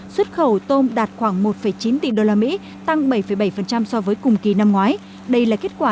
xuất khẩu tôm đạt khoảng một chín tỷ usd tăng bảy bảy so với cùng kỳ năm ngoái đây là kết quả